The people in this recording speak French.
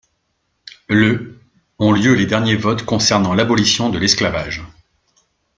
Le ont lieu les derniers votes concernant l’abolition de l’esclavage.